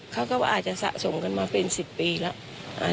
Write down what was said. เขาก็อาจจะสะสมกันมาเป็น๑๐ปีแล้ว